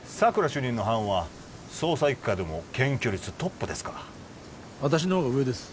主任の班は捜査一課でも検挙率トップですから私のほうが上です